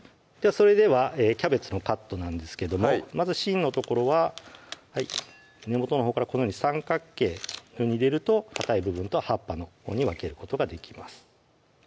それではキャベツのカットなんですけどもまず芯の所は根元のほうからこのように三角形に入れるとかたい部分と葉っぱに分けることができます